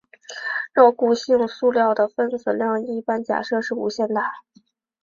热固性塑料的分子量一般假设是无限大。